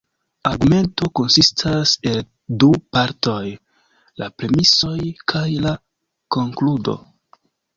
Argumento konsistas el du partoj: la premisoj kaj la konkludo.